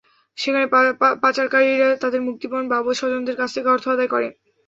সেখানে পাচারকারীরা তাদের মুক্তিপণ বাবদ স্বজনদের কাছ থেকে অর্থ আদায় করে।